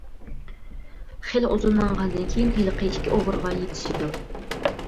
خېلى ئۇزۇن ماڭغاندىن كېيىن ھېلىقى ئىككى ئوغرىغا يېتىشىدۇ.